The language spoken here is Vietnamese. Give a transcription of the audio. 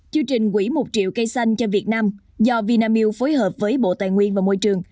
chương trình quỹ một triệu cây xanh cho việt nam do vinamilk phối hợp với bộ tài nguyên và môi trường